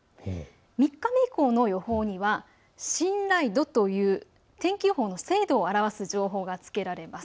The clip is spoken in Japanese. ３日目以降の予報には信頼度という天気予報の精度を表す情報がつけられます。